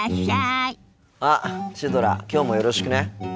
あっシュドラきょうもよろしくね。